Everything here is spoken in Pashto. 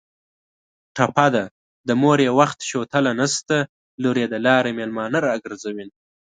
ټپه ده: د مور یې وخت شوتله نشته لور یې د لارې مېلمانه راګرځوینه